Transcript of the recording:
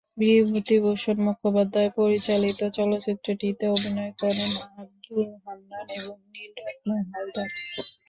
বিভূতিভূষণ মুখোপাধ্যায় পরিচালিত চলচ্চিত্রটিতে অভিনয় করেন আব্দুল হান্নান এবং নীলরত্ন হালদার।